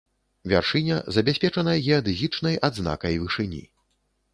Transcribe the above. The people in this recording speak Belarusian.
Вяршыня забяспечана геадэзічнай адзнакай вышыні.